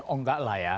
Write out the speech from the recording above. enggak lah ya